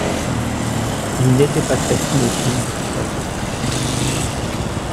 Il n’était pas très cinéphile, de toute façon.